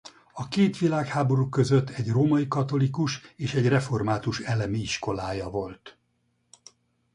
A két világháború között egy római katolikus és egy református elemi iskolája volt.